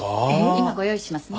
今ご用意しますね。